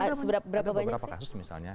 ada beberapa kasus misalnya